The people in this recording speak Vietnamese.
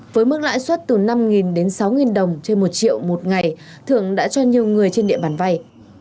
với mức lãi suất từ năm đến sáu đồng trên một triệu một ngày thượng đã cho nhiều người trên địa bàn vay